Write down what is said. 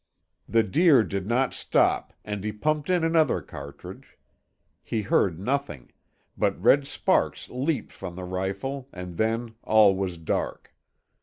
The deer did not stop and he pumped in another cartridge. He heard nothing, but red sparks leaped from the rifle and then all was dark.